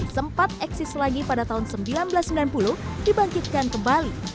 sempat eksis lagi pada tahun seribu sembilan ratus sembilan puluh dibangkitkan kembali